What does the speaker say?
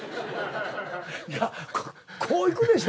いやこういくでしょ。